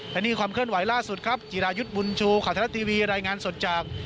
และนี่ความเคลื่อนไหวล่าสุดครับจิรายุทธ์บุญชูข่าวไทยรัฐทีวีรายงานสดจาก